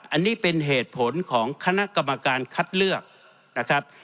อันนี้เป็นเหตุผลของคณะกรรมการคัดเลือกนะครับ